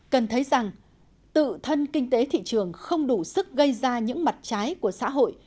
cần thấy rằng tự thân kinh tế thị trường không đủ sức gây ra những mặt trái của xã hội